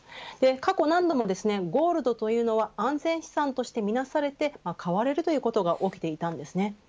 過去何度もゴールドというのは安全資産としてみなされて買われることが起きていたんです。